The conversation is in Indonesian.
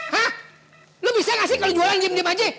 hah lo bisa gak sih kalau jualan dim diem aja